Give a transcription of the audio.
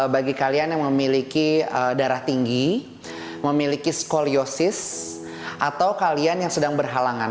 bagi kalian yang memiliki darah tinggi memiliki skoliosis atau kalian yang sedang berhalangan